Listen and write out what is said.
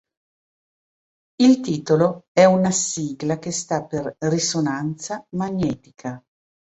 Il titolo è una sigla che sta per "risonanza magnetica".